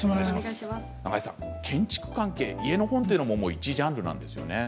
建築関係、家の本というのも１ジャンルなんですよね。